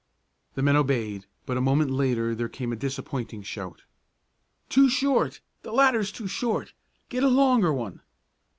The men obeyed but a moment later there came a disappointing shout: "Too short! The ladder's too short! Get a longer one!"